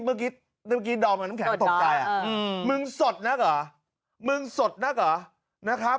มึงสดนักเหรอ